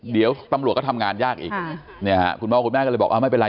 เดี๋ยวตำรวจก็ทำงานยากอีกเนี่ยฮะคุณพ่อคุณแม่ก็เลยบอกไม่เป็นไร